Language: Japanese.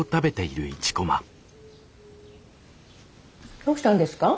どうしたんですか？